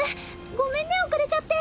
ごめんね遅れちゃって。